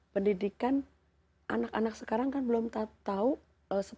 pendidikan anak anak sekarang kan belum tahu sepenuhnya apa yang terjadi pada masa itu